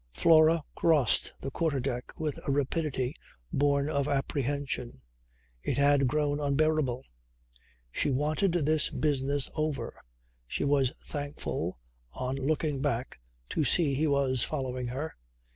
Flora crossed the quarter deck with a rapidity born of apprehension. It had grown unbearable. She wanted this business over. She was thankful on looking back to see he was following her.